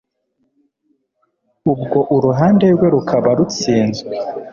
ubwo uruhande rwe rukaba rutsinzwe